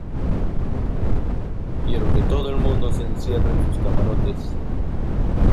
quiero que todo el mundo se encierre en sus camarotes